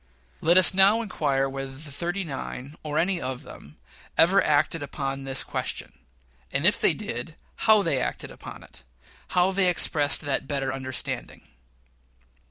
Let us now inquire whether the "thirty nine," or any of them, acted upon this question; and if they did, how they acted upon it how they expressed that better understanding.